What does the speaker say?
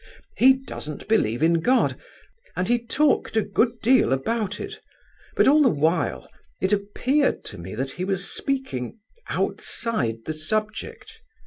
He doesn't believe in God, and he talked a good deal about it, but all the while it appeared to me that he was speaking outside the subject.